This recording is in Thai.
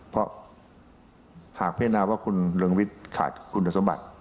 เพราะหากพิจารณาว่าคุณเรืองวิทย์ขาดคุณสมบัติ